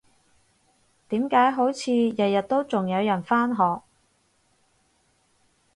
點解好似日日都仲有人返學？